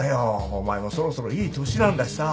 お前もそろそろいい年なんだしさ。